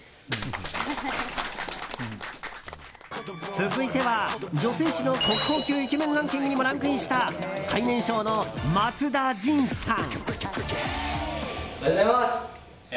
続いては、女性誌の国宝級イケメンランキングにもランクインした最年少の松田迅さん。